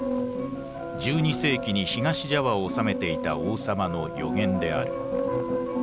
１２世紀に東ジャワを治めていた王様の予言である。